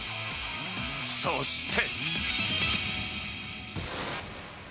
そして。